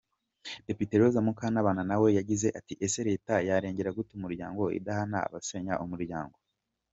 Depite Mukantabana Rose nawe yagize ati “Ese leta yarengera gute umuryango idahana abasenya umuryango.